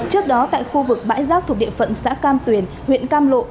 trước đó tại khu vực bãi rác thuộc địa phận xã cam tuyền huyện cam lộ